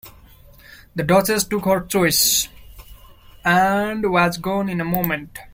The Duchess took her choice, and was gone in a moment.